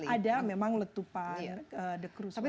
ada memang letupan dekrusan pamplik